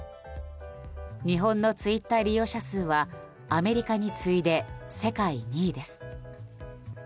日本のツイッター利用者数はアメリカに次いで世界２位です。